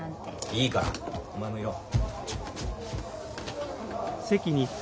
いいからお前もいろ。